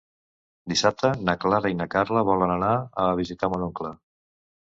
Dissabte na Clara i na Carla volen anar a visitar mon oncle.